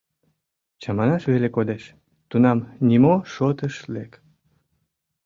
— Чаманаш веле кодеш, тунам нимо шот ыш лек.